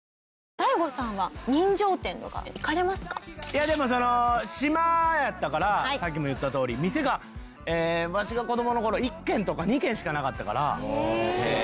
大悟さんはいやでもその島やったからさっきも言ったとおり店がわしが子どもの頃１軒とか２軒しかなかったから。